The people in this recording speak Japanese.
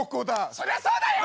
そりゃそうだよ！